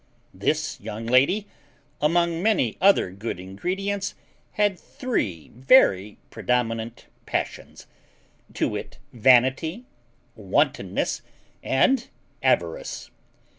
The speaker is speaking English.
This young lady, among many other good ingredients had three very predominant passions; to wit, vanity, wantonness, and avarice.